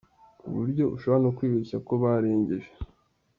ku buryo ushobora no kwibeshya ko barengeje